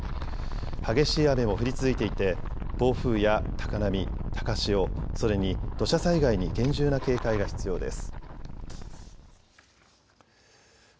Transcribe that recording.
激しい雨も降り続いていて暴風や高波、高潮、それに土砂災害に厳重な警戒が必要です。